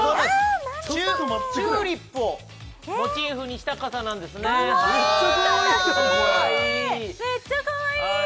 チューリップをモチーフにした傘なんですねかわいい形！